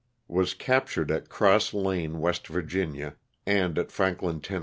Was captured at Cross Lane, West Virginia and at Franklin, Tenn.